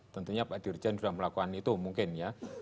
tentunya pak dirjen sudah melakukan itu mungkin ya